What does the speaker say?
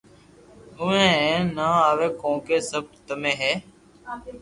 آوي ھي ھين نھ آوئي ڪونڪھ سب تمي ھي